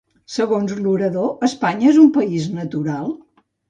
Segons l'orador, Espanya és un país natural?